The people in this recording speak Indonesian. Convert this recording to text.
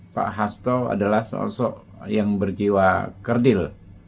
pak hasto adalah sosok yang berjiwa kerdil